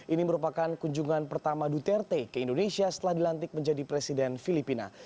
ini merupakan kunjungan pertama duterte ke indonesia setelah dilantik menjadi presiden filipina